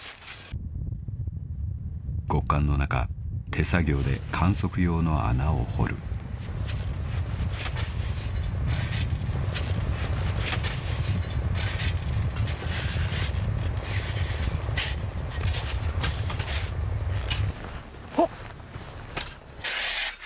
［極寒の中手作業で観測用の穴を掘る］ほっ。